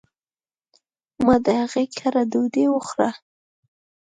ما د هغي کره ډوډي وخوړه